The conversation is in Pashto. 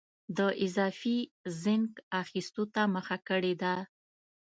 د اضافي زېنک اخیستو ته مخه کړې ده.